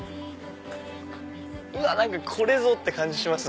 うわこれぞ！って感じします。